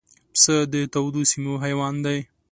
پسه د تودو سیمو حیوان دی.